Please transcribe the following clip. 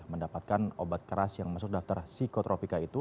mendapatkan obat keras yang masuk daftar psikotropika itu